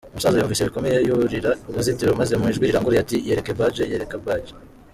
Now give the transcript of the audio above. Umusaza yumvise bikomeye, yurira uruzitiro maze mu ijwi rirangurura ati "Yereke badge yereke badge.